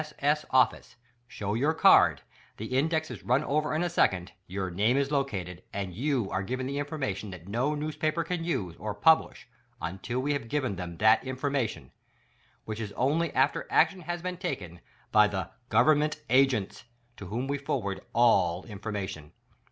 S. S. office, show your card, the index is run over in a second, your name is located, and 3^ou are given the information that no newspaper can use or publish until we have given them that information, which is only after action has been taken by the Government Agents, to whom we for ward ALL information.